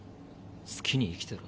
好きに生きてろ。